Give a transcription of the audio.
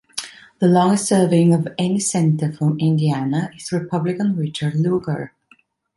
The longest-serving of any Senator from Indiana is Republican Richard Lugar.